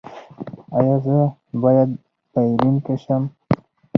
ایا زه باید بایلونکی شم؟